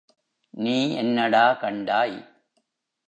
நீ என்னடா கண்டாய்?